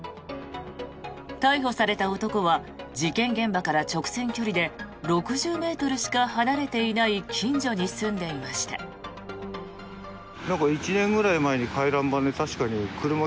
逮捕された男は事件現場から直線距離で６０ｍしか離れていない近所に住んでいました。